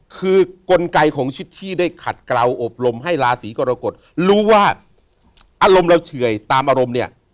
คือกลไกของชิดที่ได้ขัดกล่าวอบรมให้ราศีกรกฎรู้ว่าอารมณ์เราเฉื่อยตามอารมณ์เนี่ย